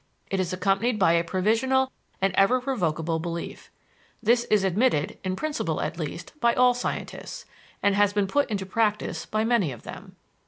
It is accompanied by a provisional and ever revocable belief. This is admitted, in principle at least, by all scientists, and has been put into practice by many of them.